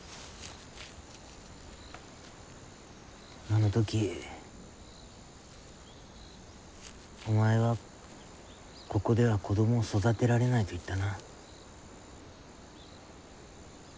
あの時お前はここでは子供を育てられないと言ったな。